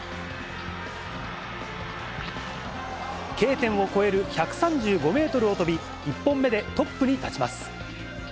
Ｋ点を越える１３５メートルを飛び、１本目でトップに立ちます。